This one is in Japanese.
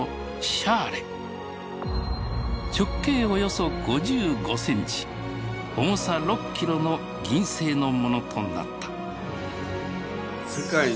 直径およそ５５センチ重さ６キロの銀製のものとなった。